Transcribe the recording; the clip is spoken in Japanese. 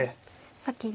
先に。